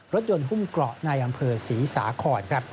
รถยนต์หุ้มเกราะในอำเภอศรีสาคร